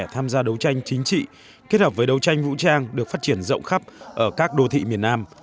tham gia đấu tranh chính trị kết hợp với đấu tranh vũ trang được phát triển rộng khắp ở các đô thị miền nam